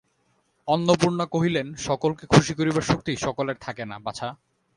অন্নপূর্ণা কহিলেন, সকলকে খুশি করিবার শক্তি সকলের থাকে না, বাছা।